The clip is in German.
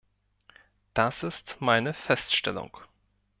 Das ist meine Feststellung.